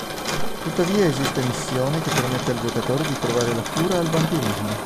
Tuttavia esiste missione che permette al giocatore di trovare la cura al vampirismo.